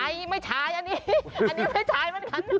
อันนี้ไม่ใช่เหมือนกัน